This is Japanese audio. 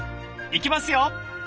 いきますよ！